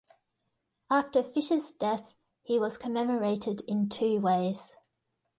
After Fisher's death he was commemorated in two ways.